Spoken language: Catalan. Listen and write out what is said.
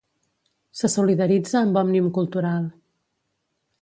Se solidaritza amb Òmnium Cultural.